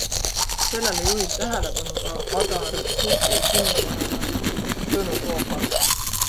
Sellele juhib tähelepanu ka Adaur Grupi kinnisvaraanalüütik Tõnu Toompark.